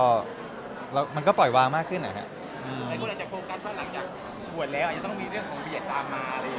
คนอาจจะโฟกัสต้อนหลังจากบวชแล้วจะต้องมีเรื่องของเบียดตามมาอะไรอย่างนี้ครับ